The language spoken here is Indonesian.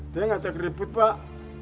dia gak cek ribut pak